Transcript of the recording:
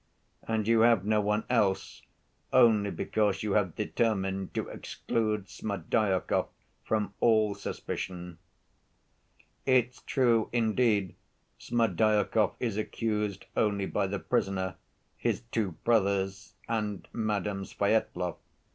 And you have no one else only because you have determined to exclude Smerdyakov from all suspicion. "It's true, indeed, Smerdyakov is accused only by the prisoner, his two brothers, and Madame Svyetlov.